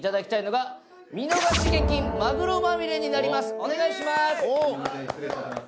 お願いします。